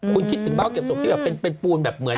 คุณคิดถึงเบ้าเก็บศพที่แบบเป็นปูนแบบเหมือน